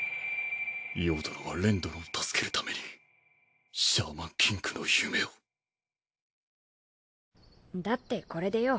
葉殿は殿を助けるためにシャーマンキングの夢をだってこれでよ